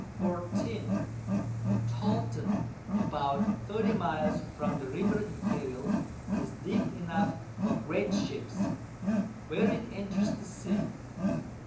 24. Tolten, about 30 Miles from the River Imperial, is deep enough for great Ships, where it enters the Sea.